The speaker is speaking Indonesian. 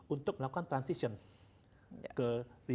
untuk melakukan transition ke renewable energy